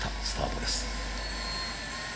スタートです。